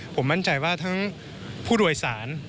ผมมั่นใจว่าทั้งผู้โดยสาร